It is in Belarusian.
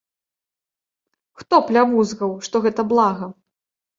Хто плявузгаў, што гэта блага?!